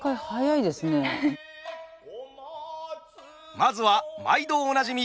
まずは毎度おなじみ